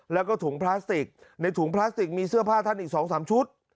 แล้วก็ถุงพลาสติกในถุงพลาสติกมีเสื้อผ้าท่านอีก๒๓ชุด